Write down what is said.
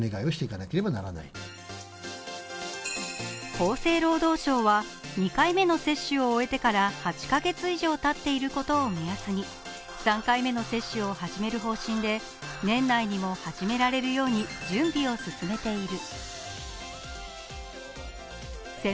厚生労働省は２回目の接種を終えてから８カ月以上たっていることを目安に３回目の接種を始める方針で年内にも始められるように準備を進めている。